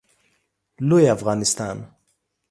لوی افغانستان